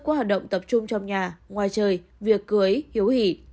các hoạt động tập trung trong nhà ngoài trời việc cưới hiếu hỉ